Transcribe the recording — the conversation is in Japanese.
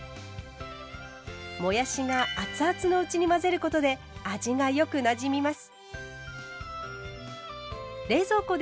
もやしが熱々のうちに混ぜることで味がよくなじみます。